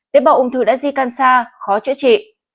tế bào ung thư đã di căn sang khó chữa trị